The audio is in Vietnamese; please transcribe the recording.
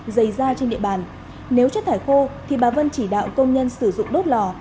dày ra trên địa bàn nếu chất thải khô thì bà vân chỉ đạo công nhân sử dụng đốt lò